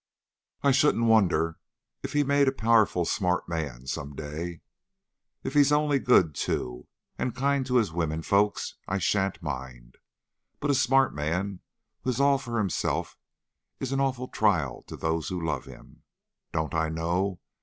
I shouldn't wonder if he made a powerful smart man some day. If he's only good, too, and kind to his women folks, I sha'n't mind. But a smart man who is all for himself is an awful trial to those who love him. Don't I know?